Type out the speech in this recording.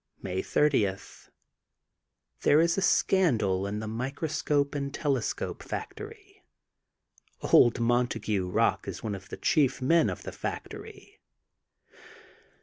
May 30: — There is a scandal in the Micro scope and Telescope Factory. Old Montague Bock is one of the chief men of the fac tory.